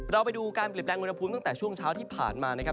เราไปดูการเปลี่ยนแปลงอุณหภูมิตั้งแต่ช่วงเช้าที่ผ่านมานะครับ